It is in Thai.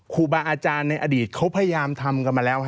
ครูบาอาจารย์ในอดีตเขาพยายามทำกันมาแล้ว